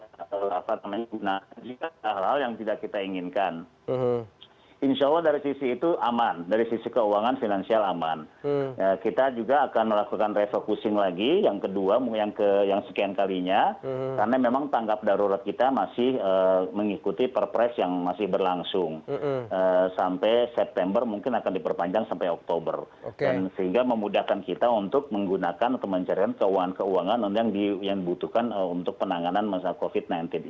kelas apa namanya guna jika tidak hal hal yang tidak kita inginkan insya allah dari sisi itu aman dari sisi keuangan finansial aman kita juga akan melakukan refocusing lagi yang kedua yang sekian kalinya karena memang tangkap darurat kita masih mengikuti perpres yang masih berlangsung sampai september mungkin akan diperpanjang sampai oktober sehingga memudahkan kita untuk menggunakan atau mencarian keuangan keuangan yang dibutuhkan untuk penanganan masa covid sembilan belas